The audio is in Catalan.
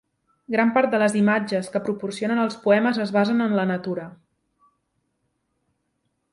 Gran part de les imatges que proporcionen els poemes es basen en la natura.